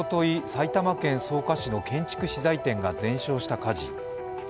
埼玉県草加市の建築資材店が全焼した火事。